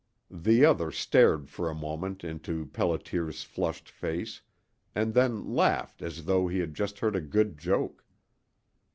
The other stared for a moment into Pelliter's flushed face, and then laughed as though he had just heard a good joke.